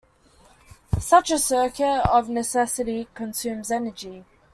Such a circuit, of necessity, consumes energy.